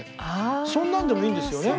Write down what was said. そんなんでもいいんですよね。